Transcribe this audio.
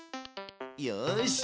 よし。